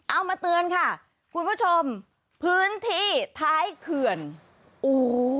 เอามาเตือนค่ะคุณผู้ชมพื้นที่ท้ายเขื่อนโอ้โห